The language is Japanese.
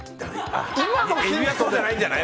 エビはそうじゃないんじゃない？